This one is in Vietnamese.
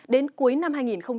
đến cuối năm hai nghìn hai mươi